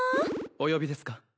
お呼びですか？